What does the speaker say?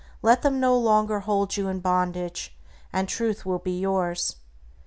Let them no longer hold you in bondage, and Truth will be yours.